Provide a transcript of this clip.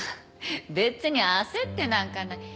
別に焦ってなんかない。